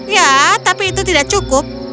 ya tapi itu tidak cukup